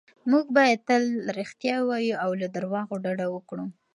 موږ باید تل رښتیا ووایو او له درواغو ډډه وکړو.